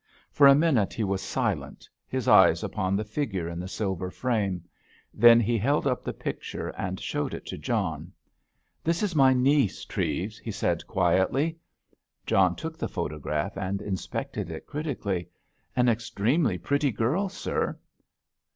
For a minute he was silent, his eyes upon the figure in the silver frame; then he held up the picture and showed it to John. "This is my niece, Treves," he said quietly. John took the photograph and inspected it critically. "An extremely pretty girl, sir."